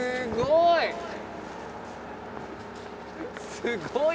すごい！